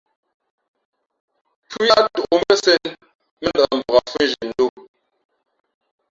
Pʉ̄h yáʼ tōʼ mbʉ́ά sēn , mēndαʼ mbak fhʉ̄nzhi ndǒ.